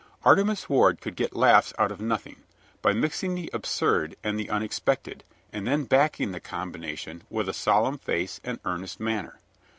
Artemus Ward could get laughs out of nothing, by mixing the absurd and the unexpected, and then backing the combination with a solemn face and earnest manner.